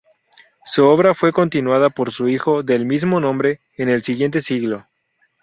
Su obra fue continuada por su hijo, del mismo nombre, en el siguiente siglo.